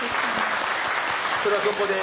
それはどこで？